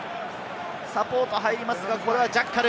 サポート入りますが、これはジャッカル！